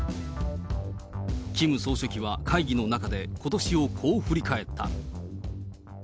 キム総書記は会議の中で、ことしをこう振り返った。